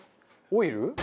オイル？